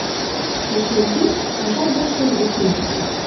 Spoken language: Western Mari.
Эче изиш — ыжарга шӹргӹ цишти.